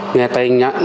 nghe tin nhắn